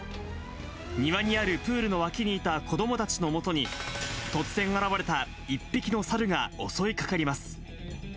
庭にあるプールのわきにいた子どもたちのもとに突然現れた１匹のサルが襲いかかります。